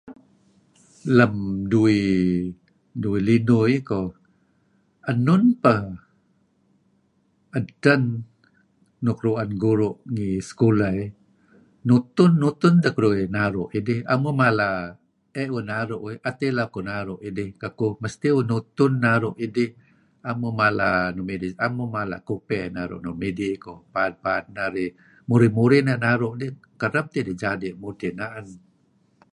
Lem duih duih linuh ih ko enun peh edten nuk ru'en guru' ngi sekulah ih nutun-nutun teh keduih naru' idih, am uih mala die' uih naru' dih da'et ileh kuh naru' dih, mesti uih nutun naru' idih 'am uih mala 'am uih mala kupey naru' nuk midih paad-paad narih murih-muruh narih naru' dih kereb tidih jadi' mudtih na'en.